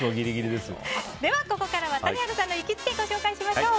ここからは谷原さんの行きつけをご紹介しましょう。